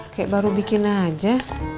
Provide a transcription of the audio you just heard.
kayak baru bikin aja